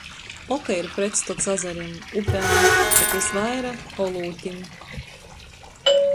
Oka ir pretstots azarim, upem, bet vysvaira olūtim.